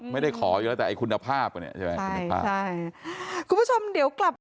ไม่ได้ขออยู่แล้วแต่คุณภาพใช่ไหมคุณภาพใช่คุณผู้ชมเดี๋ยวกลับ